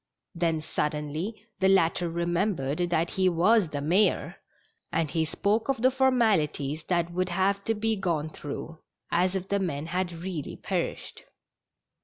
Then suddenly the latter remembered that he was the mayor, and he spoke of the formalities that would have to be gone through, as if the men had really perished.